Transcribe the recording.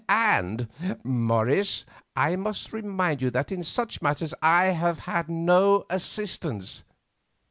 And, Morris, I must remind you that in such matters I have had no assistance.